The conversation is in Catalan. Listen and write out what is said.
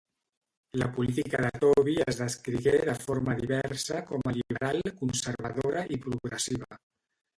La política de Tobey es descrigué de forma diversa com a liberal, conservadora i progressiva.